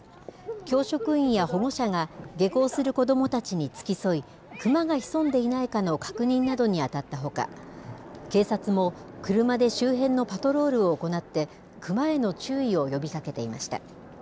教職員や保護者が、下校する子どもたちに付き添い、クマが潜んでいないかの確認などに当たったほか、警察も車で周辺のパトロールを行って、クマへの注意を呼びかけていました。